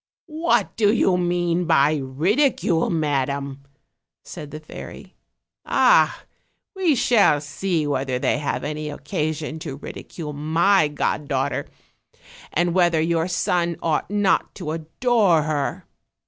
"What do you mean by ridicule, madam?" said thefairy. "Ah! we shall see whether they have any occasion to ridicule my god daughter, and whether your son ought not to adore her.